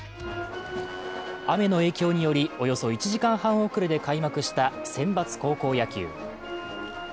雨の影響によりおよそ１時間半遅れで開幕した選抜高校野球。